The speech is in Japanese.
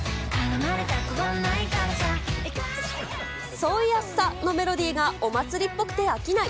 そういやさのメロディーがお祭りっぽくて飽きない。